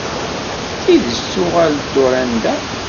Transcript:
D tidett tuɣal-d Dorenda?